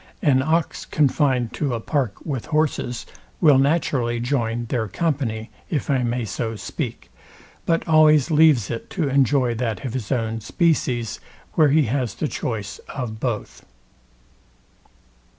An ox confined to a park with horses, will naturally join their company, if I may so speak, but always leaves it to enjoy that of his own species, where he has the choice of both.